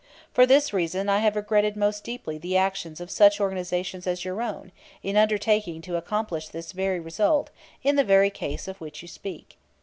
For this reason I have regretted most deeply the actions of such organizations as your own in undertaking to accomplish this very result in the very case of which you speak.